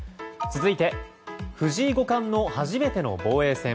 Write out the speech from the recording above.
続いて藤井五冠の初めての防衛戦。